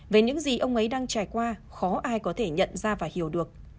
về những gì ông ấy đang trải qua khó ai có thể nhận ra và hiểu được